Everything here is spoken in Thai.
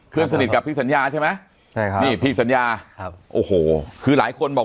ขึ้นสนิทกับพี่สัญญาใช่ไหมพี่สัญญาโอ้โหคือหลายคนบอก